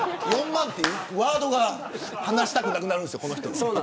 ４万円というワードが話したくなくなるんですよ、この人。